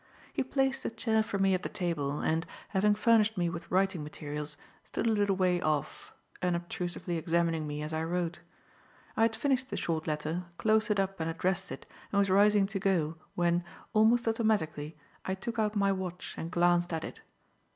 He placed a chair for me at the table, and, having furnished me with writing materials, stood a little way off, unobtrusively examining me as I wrote. I had finished the short letter, closed it up and addressed it, and was rising to go, when, almost automatically, I took out my watch and glanced at it.